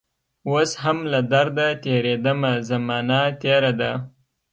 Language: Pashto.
اوس هم له درده تیریدمه زمانه تیره ده